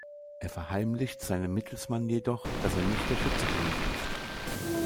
Er verheimlicht seinem Mittelsmann jedoch, dass er nicht der Schütze gewesen ist.